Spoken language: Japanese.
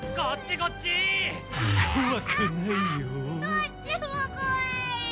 どっちもこわい！